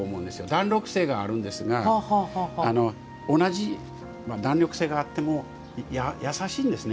弾力性があるんですが同じ弾力性があっても優しいんですね。